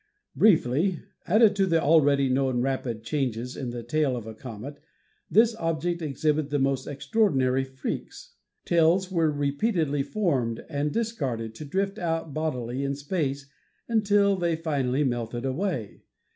Briefly, added to the already known rapid changes in the tail of a comet, this object exhibited the most extraordinary freaks. Tails were repeatedly formed and discarded to drift out bodily in space until they finally melted away.